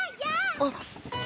あっ！